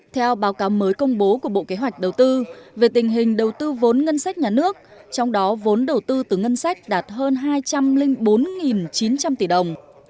theo báo cáo mới công bố của bộ kế hoạch đầu tư về tình hình đầu tư vốn ngân sách nhà nước trong đó vốn đầu tư từ ngân sách đạt hơn hai trăm linh bốn chín trăm linh tỷ đồng